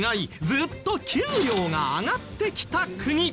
ずっと給料が上がってきた国。